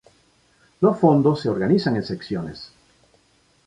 Los fondos se organizan en secciones.